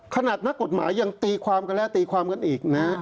นักกฎหมายยังตีความกันแล้วตีความกันอีกนะ